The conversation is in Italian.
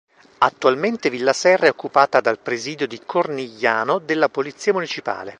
Attualmente Villa Serra è occupata dal presidio di Cornigliano della Polizia Municipale.